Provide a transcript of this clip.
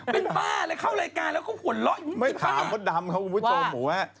เป็นบ้าเลยเข้ารายการแล้วก็หัวเราะอยู่นิดหนึ่ง